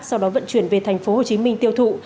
sau đó vận chuyển về thành phố hồ chí minh tiêu thụ